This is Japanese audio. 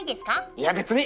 いや別に。